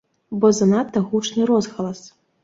Бо занадта гучны розгалас.